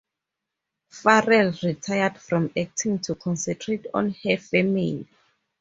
Farrell retired from acting to concentrate on her family.